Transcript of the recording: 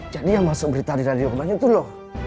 jadi yang masuk berita di radio banyak tuh lo